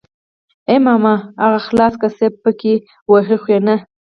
ای ماما اغه خلاص که څه پې کوي وهي خو يې نه.